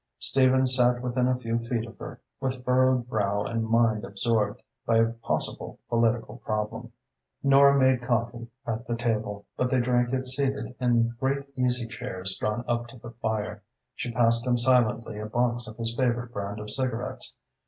Stephen sat within a few feet of her, with furrowed brow and mind absorbed by a possible political problem. Nora made coffee at the table, but they drank it seated in great easy chairs drawn up to the fire. She passed him silently a box of his favourite brand of cigarettes.